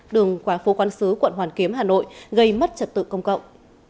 đường qua phố quán xứ quận hoàn kiếm hà nội gây mất trật tự công cộng